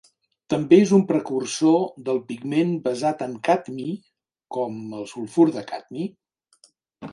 També és un precursor del pigment basat en cadmi com el sulfur de cadmi.